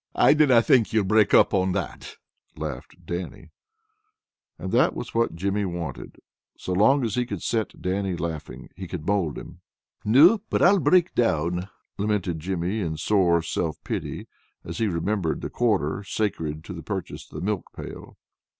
"I dinna think ye'll break up on that," laughed Dannie. And that was what Jimmy wanted. So long as he could set Dannie laughing, he could mold him. "No, but I'll break down," lamented Jimmy in sore self pity, as he remembered the quarter sacred to the purchase of the milk pail.